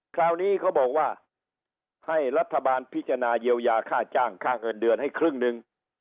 คราวนี้เขาบอกว่าให้รัฐบาลพิจารณาเยียวยาค่าจ้างค่าเงินเดือนให้ครึ่งหนึ่ง